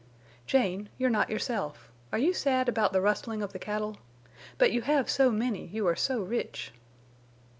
"Jane, you're not yourself. Are you sad about the rustling of the cattle? But you have so many, you are so rich."